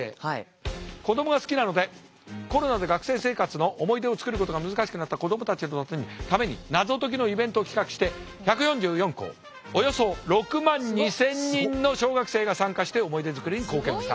子どもが好きなのでコロナで学生生活の思い出を作ることが難しくなった子どもたちのために謎解きのイベントを企画して１４４校およそ６万２，０００人の小学生が参加して思い出作りに貢献した。